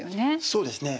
そうですね。